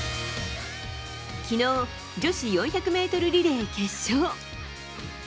昨日、女子４００ｍリレー決勝。